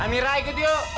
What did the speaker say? amirah ikut yuk